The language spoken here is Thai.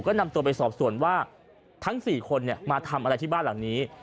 ก็นำตัวไปสอบส่วนว่าทั้ง๔คนมาทำอะไรที่บ้านหลังนี้